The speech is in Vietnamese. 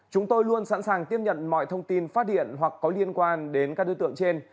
chúng tôi luôn sẵn sàng tiếp nhận mọi thông tin phát điện hoặc có liên quan đến các đối tượng trên